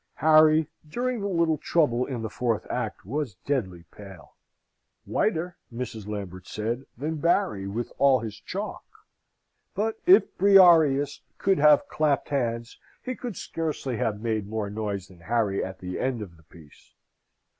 Harry, during the little trouble in the fourth act, was deadly pale whiter, Mrs. Lambert said, than Barry, with all his chalk. But if Briareus could have clapped hands, he could scarcely have made more noise than Harry at the end of the piece.